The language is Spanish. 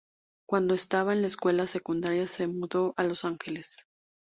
Cuando estaba en la escuela secundaria se mudó a Los Ángeles.